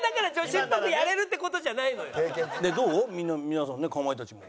皆さんねかまいたちも。